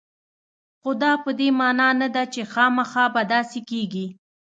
خو دا په دې معنا نه ده چې خامخا به داسې کېږي